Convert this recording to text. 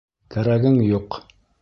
Кәрәгең юҡ!..